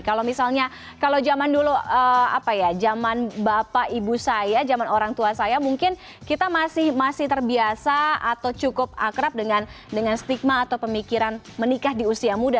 kalau misalnya kalau zaman dulu apa ya zaman bapak ibu saya zaman orang tua saya mungkin kita masih terbiasa atau cukup akrab dengan stigma atau pemikiran menikah di usia muda